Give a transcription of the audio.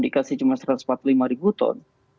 dikasih cuma satu ratus empat puluh lima ribu ton